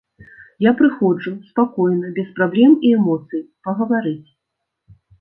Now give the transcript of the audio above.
Я прыходжу, спакойна, без праблем і эмоцый, пагаварыць.